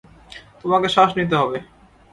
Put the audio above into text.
তোমাকে শ্বাস নিতে হবে।